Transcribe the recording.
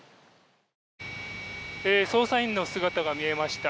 捜査員の姿が見えました。